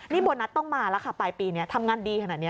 นี่โบนัสต้องมาแล้วค่ะปลายปีนี้ทำงานดีขนาดนี้